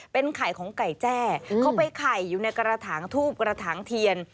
เป็นไข่ของไก่แจ้เขาไปไข่อยู่ในกระถางทูบกระถางเทียน